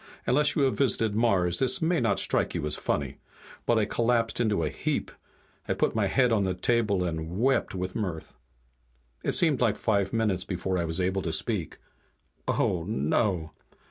Unless you have visited Mars this may not strike you as funny, but I collapsed into a heap. I put my head on the table and wept with mirth. It seemed like five minutes before I was able to speak. "Oh, no!"